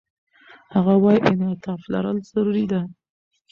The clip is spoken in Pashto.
هغه وايي، انعطاف لرل ضروري دي.